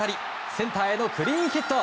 センターへのクリーンヒット！